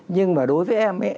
nhưng mà đối với em ấy